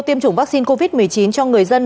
tiêm chủng vaccine covid một mươi chín cho người dân